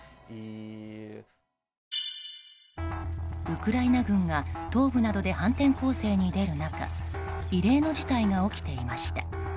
ウクライナ軍が東部などで反転攻勢に出る中異例の事態が起きていました。